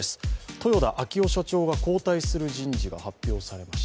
豊田章男社長が交代する人事が発表されました。